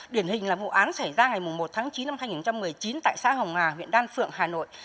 điển hình là vụ án xảy ra ngày một tháng chín năm hai nghìn một mươi chín tại xã hồng hà huyện đan phượng hà nội